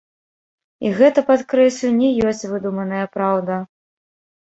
І гэта, падкрэслю, не ёсць выдуманая праўда.